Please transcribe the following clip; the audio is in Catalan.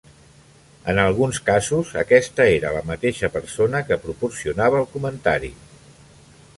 En alguns casos, aquesta era la mateix persona que proporcionava el comentari.